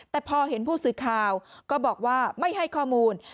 แต่พอเห็นผู้สื่อข่าวก็บอกว่าไม่ให้ข้อมูล